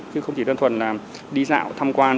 chứ không chỉ đơn thuần là đi dạo thăm quan